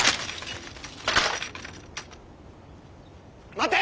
待て！